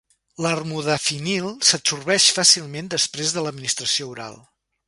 L'armodafinil s'absorbeix fàcilment després de l'administració oral.